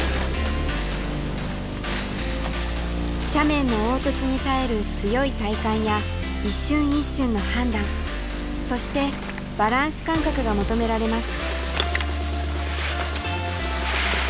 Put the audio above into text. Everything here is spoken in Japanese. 斜面の凹凸に耐える強い体幹や一瞬一瞬の判断そしてバランス感覚が求められます。